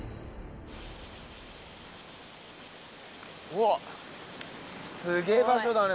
わっすげえ場所だね。